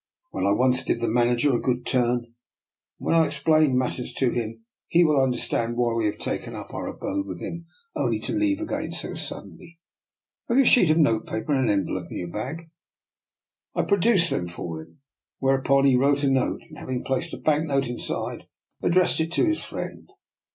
I once did the manager a good turn, and when I explain matters to him I fancy he will under zo 142 DR. NIKOLA'S EXPEKIMENT. stand why we have taken up our abode with him only to leave again so suddenly. Have you a sheet of notepaper and an envelope in your bag? " I produced them for him, whereupon he wrote a note, and having placed a bank note inside, addressed it to his friend.